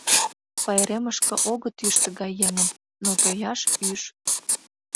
Пайремышке огыт ӱж тыгай еҥым, но тояш ӱж.